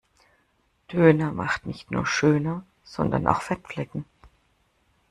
Döner macht nicht nur schöner sondern auch Fettflecken.